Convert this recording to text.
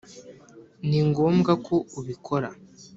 ni ngombwa ko ubikora.